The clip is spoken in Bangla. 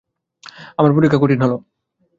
আমার পরীক্ষা কঠিন হল।